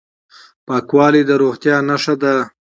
پاکوالی د روغتیا نښه ده.